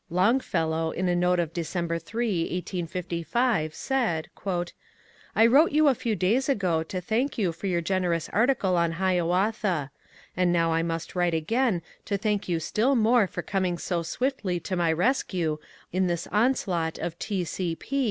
Longfellow, in a note of December 8, 1855, said :— I wrote you a few days ago to thank you for your gener ous article on ^^ Hiawatha ;" and now I must write again to thank you still more for coming so swiftly to mv rescue in this onslaught of " T. C.